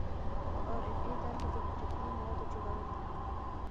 د آر این اې دنده د پروتیني موادو جوړول دي.